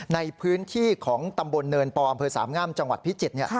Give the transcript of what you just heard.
ในพื้นที่ของตำบลเนินปออำเภอสามงามจังหวัดพิจิตร